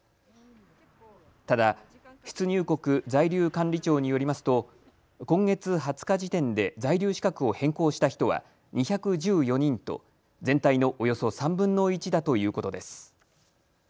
ただ、出入国在留管理庁によりますと今月２０日時点で在留資格を変更した人は２１４人と全体のおよそ３分の１だということです。